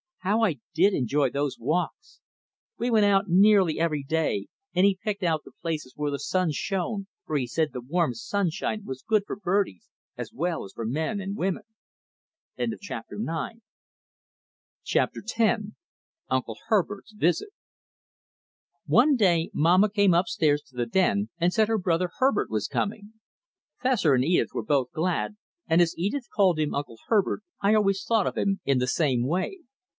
How I did enjoy those walks! We went out nearly every day, and he picked out the places where the sun shone, for he said the warm sunshine was good for birdies as well as for men and women. Chapter X Uncle Herbert's Visit One day Mamma came up stairs to the den and said her brother Herbert was coming. Fessor and Edith were both glad, and as Edith called him Uncle Herbert, I always thought of him in the same way.